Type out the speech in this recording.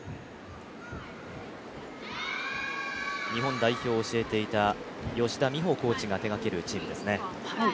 日本代表を教えていた吉田美保コーチが手がけるチームですね。